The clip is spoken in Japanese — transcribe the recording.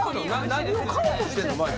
何を買おうとしてるの？